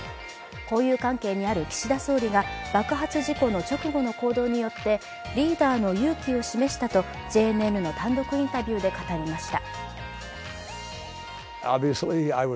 交友関係にある岸田総理が爆発事故の直後の行動によってリーダーの勇気を示したとＪＮＮの単独インタビューで語りました。